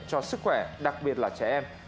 cho sức khỏe đặc biệt là trẻ em